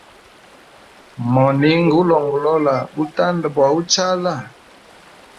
Moninga ulongolola butanda bwa uchala?